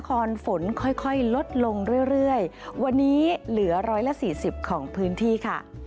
ฝนค่อยค่อยลดลงเรื่อยเรื่อยวันนี้เหลือร้อยละสี่สิบของพื้นที่ค่ะ